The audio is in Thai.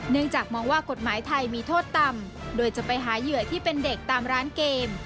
จากมองว่ากฎหมายไทยมีโทษต่ำโดยจะไปหาเหยื่อที่เป็นเด็กตามร้านเกม